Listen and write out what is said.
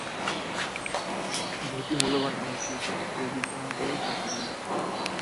বইটি মূল্যবান, আমাকেই পৌঁছে দিতে হবে জাকারিয়ার কাছে।